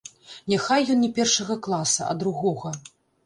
Няхай ён не першага класа, а другога.